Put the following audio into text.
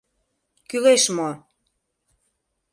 Кӱлеш мо?